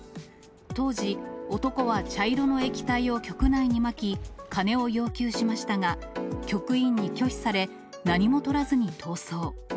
当時、男は茶色の液体を局内にまき、金を要求しましたが、局員に拒否され、何もとらずに逃走。